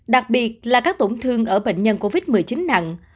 đặc biệt là các tổn thương ở bệnh nhân covid một mươi chín nặng